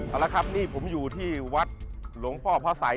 เอาละครับนี่ผมอยู่ที่วัดหลวงพ่อพระสัย